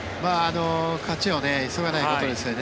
勝ちを急がないことですよね。